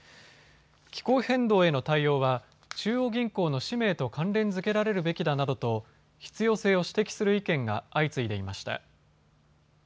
気候変動への対応は中央銀行の使命と関連付けられるべきだなどと必要性を指摘する意見が相次いでいました。